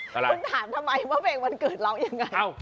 แป๊บหนึ่งนะคุณถามทำไมว่าเพลงวันเกิดร้องอย่างไร